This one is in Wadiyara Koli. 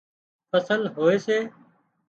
فصل هوئي سي